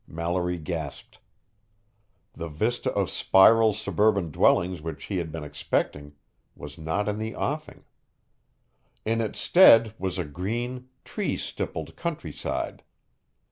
Mallory gasped. The vista of spiral suburban dwellings which he had been expecting was not in the offing. In its stead was a green, tree stippled countryside.